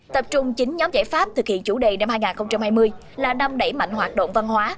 tập trung chín nhóm giải pháp thực hiện chủ đề năm hai nghìn hai mươi là năm đẩy mạnh hoạt động văn hóa